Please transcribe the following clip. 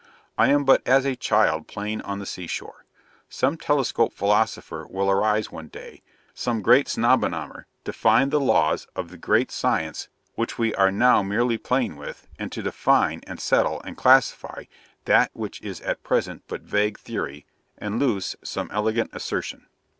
I am but as a child playing on the sea shore. Some telescopic philosopher will arise one day, some great Snobonomer, to find the laws of the great science which we are now merely playing with, and to define, and settle, and classify that which is at present but vague theory, and loose though elegant assertion.